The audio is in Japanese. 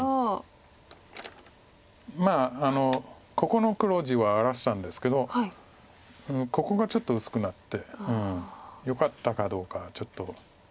ここの黒地は荒らしたんですけどここがちょっと薄くなってよかったかどうかちょっと。